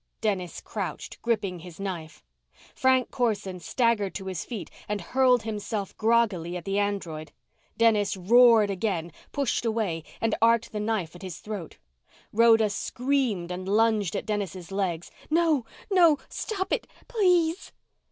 Dennis crouched, gripping his knife. Frank Corson staggered to his feet and hurled himself groggily at the android. Dennis roared again, pushed away and arced the knife at his throat. Rhoda screamed and lunged at Dennis' legs. "No! No! Stop it! Please!"